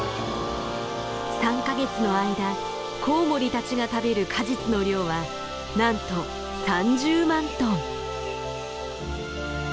３か月の間コウモリたちが食べる果実の量はなんと３０万トン。